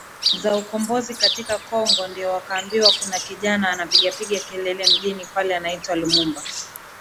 za ukombozi katika Kongo ndio wakaambiwa kuna kijana anapigapiga kelele mjini pale anaitwa Lumumba